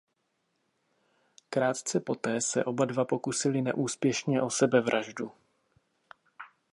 Krátce poté se oba dva pokusili neúspěšně o sebevraždu.